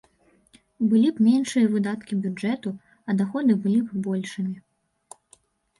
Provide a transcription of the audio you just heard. Былі б меншыя выдаткі бюджэту, а даходы былі б большымі.